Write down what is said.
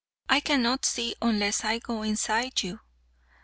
"I cannot see unless I go inside you."